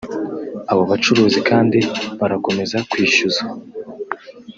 Abo bacuruzi kandi barakomeza kwishyuza